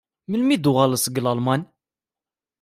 Melmi i d-tuɣaleḍ seg Lalman?